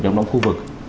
trong đóng khu vực